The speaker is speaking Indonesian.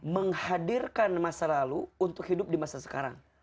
menghadirkan masa lalu untuk hidup di masa sekarang